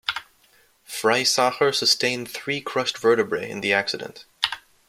Friesacher sustained three crushed vertebrae in the accident.